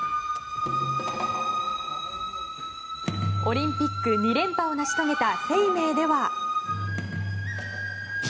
オリンピック２連覇を成し遂げた「ＳＥＩＭＥＩ」では。